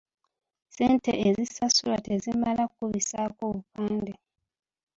Ssente ezisasulwa tezimala ku kubisaako bupande .